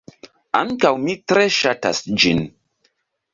Ankaŭ mi tre ŝatas ĝin.